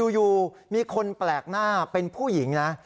อยู่มีคนแปลกหน้าเป็นผู้หญิงนะ